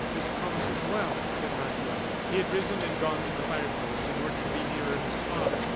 "This promises well," said Martial. He had risen and gone to the fireplace in order to be nearer his father.